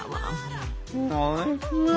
おいしい。